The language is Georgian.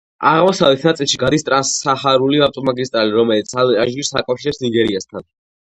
აღმოსავლეთ ნაწილში გადის ტრანსსაჰარული ავტომაგისტრალი, რომელიც ალჟირს აკავშირებს ნიგერიასთან.